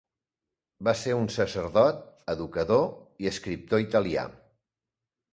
Va ser un sacerdot, educador i escriptor italià.